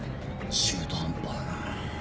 中途半端だな。